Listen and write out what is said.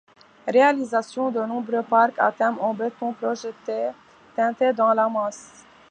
Réalisation de nombreux parcs à thème en béton projeté teinté dans la masse.